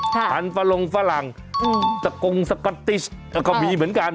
สกงฝรั่งสกงสกัตติสก็มีเหมือนกัน